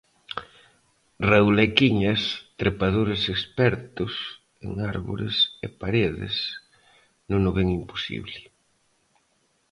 Raúl e Kiñas, trepadores expertos en árbores e paredes, non o ven imposible.